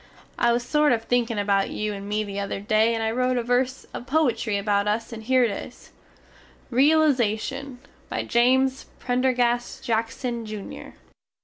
I was sort of thinkin about you and me the other day and I rote a verse of poitry about us and here it is, REALIZATION By James Prendergast Jackson, Jr.